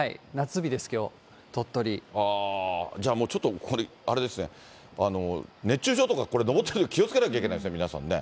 じゃあもうちょっと、これ、あれですね、熱中症とか、これ登ってる人、気をつけなきゃいけないですね、皆さんね。